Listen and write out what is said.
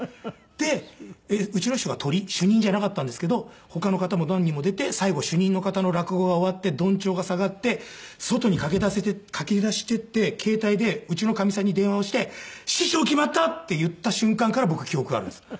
でうちの師匠がトリ主任じゃなかったんですけど他の方も何人も出て最後主任の方の落語が終わってどんちょうが下がって外に駆け出していって携帯でうちのかみさんに電話をして「師匠決まった！」って言った瞬間から僕記憶があるんです。